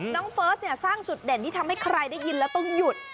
เฟิร์สเนี่ยสร้างจุดเด่นที่ทำให้ใครได้ยินแล้วต้องหยุด